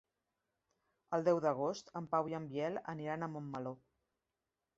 El deu d'agost en Pau i en Biel aniran a Montmeló.